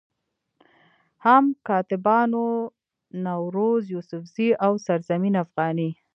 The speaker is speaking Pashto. هم کاتبانو نوروز يوسفزئ، او سرزمين افغاني